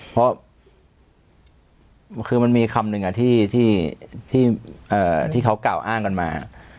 เพราะคือมันมีคำหนึ่งที่เขากล่าวอ้างกันมา